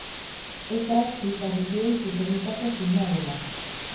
Ez ahaztu familiei zuzendutako filma dela.